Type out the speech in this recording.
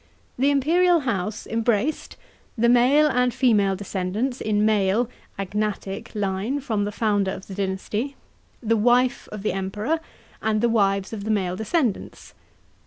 The imperial house embraced : the male and female descendants in male (agnatic) line from the founder of the d \nasty; the wife of the Emperor; and the wives of the male de scendants.